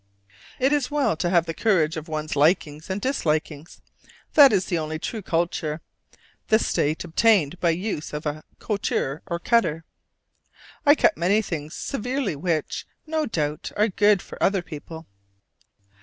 It is well to have the courage of one's likings and dislikings, that is the only true culture (the state obtained by use of a "coulter" or cutter) I cut many things severely which, no doubt, are good for other people.